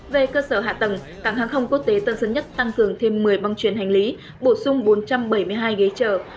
về cơ sở hạ tầng cảng hàng không quốc tế tân sơn nhất tăng cường thêm một mươi băng chuyển hành lý bổ sung bốn trăm bảy mươi hai ghế trở